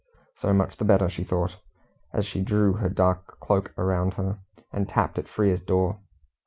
So much the better, she thought, as she drew her dark cloak around her, and tapped at Frere's door.